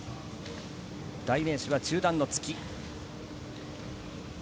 代名詞は中段の突き。